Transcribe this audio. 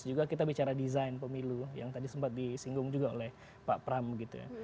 juga kita bicara desain pemilu yang tadi sempat disinggung juga oleh pak pram gitu ya